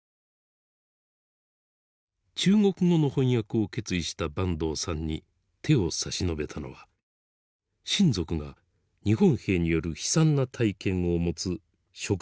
中国語の翻訳を決意した坂東さんに手を差し伸べたのは親族が日本兵による悲惨な体験を持つ職場の仲間王さんでした。